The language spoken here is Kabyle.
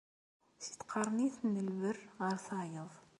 Si tqernit n lberr ɣer tayeḍ.